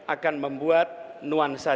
akan membuat nuansa